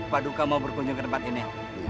paduka mau berkunjung ke tempat ini